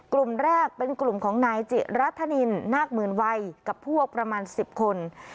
กลุ่มแรกเป็นกลุ่มของนายจิรัฐนินนาคหมื่นวัยกับพวกประมาณ๑๐คน